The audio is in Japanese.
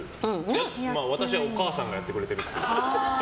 私、お母さんがやってくれてるから。